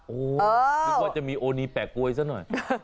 โอ้โหนึกว่าจะมีโอนีแปลกกลวยซะหน่อย